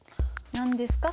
何ですか？